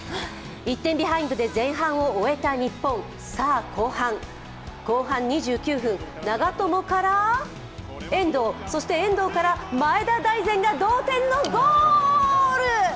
１点ビハインドで前半を終えた日本後半２９分、長友から遠藤、そして遠藤から前田大然が同点のゴール。